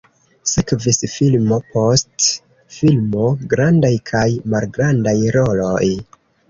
Sekvis filmo post filmo, grandaj kaj malgrandaj roloj.